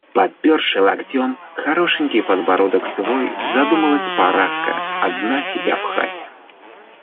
Подперши локтем хорошенький подбородок свой, задумалась Параска, одна сидя в хате.